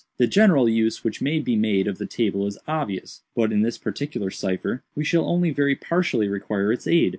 The general use which may be made of the table is obvious—but, in this particular cipher, we shall only very partially require its aid.